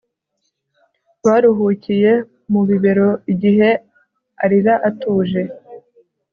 baruhukiye mu bibero igihe arira atuje